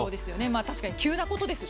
確かに急なことですし。